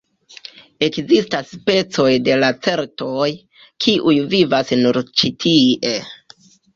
Ekzistas specoj de lacertoj, kiuj vivas nur ĉi tie.